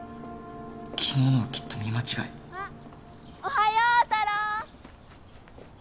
昨日のはきっと見間違いあっおはようたろー！